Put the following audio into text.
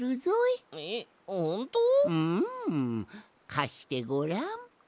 かしてごらん。